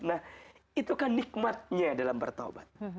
nah itu kan nikmatnya dalam bertaubat